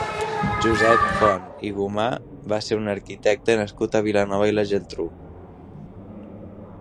Josep Font i Gumà va ser un arquitecte nascut a Vilanova i la Geltrú.